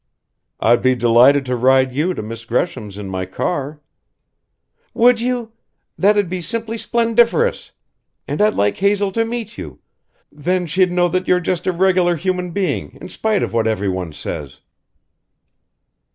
"I'd be delighted to ride you to Miss Gresham's in my car " "Would you? That'd be simply splendiferous! And I'd like Hazel to meet you then she'd know that you're just a regular human being in spite of what everyone says."